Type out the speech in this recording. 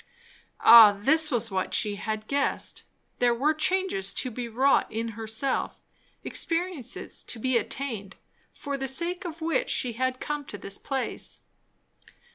Ah, this was what she had guessed; there were changes to be wrought in herself, experiences to be attained, for the sake of which she had come to this place.